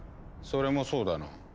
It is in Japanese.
それもそうだな。